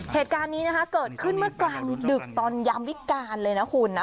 เหตุการณ์นี้นะคะเกิดขึ้นเมื่อกลางดึกตอนยามวิการเลยนะคุณนะ